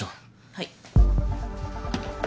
はい。